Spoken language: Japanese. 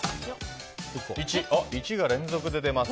１が連続で出ます。